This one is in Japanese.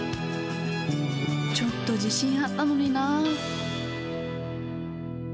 ちょっと自信あったのにな。